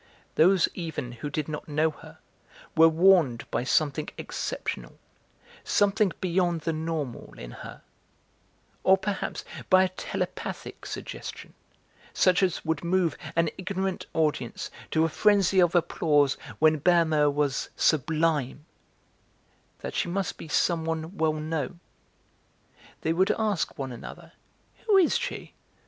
Those even who did not know her were warned by something exceptional, something beyond the normal in her or perhaps by a telepathic suggestion such as would move an ignorant audience to a frenzy of applause when Berma was 'sublime' that she must be some one well known. They would ask one another, "Who is she?"